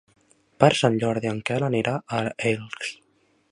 Per Sant Jordi en Quel anirà a Elx.